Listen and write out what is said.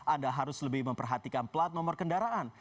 anda harus lebih memperhatikan plat nomor kendaraan